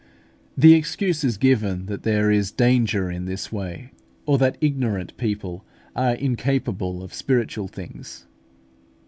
The excuse given is that there is danger in this way, or that ignorant people are incapable of spiritual things.